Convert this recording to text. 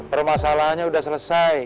permasalahannya udah selesai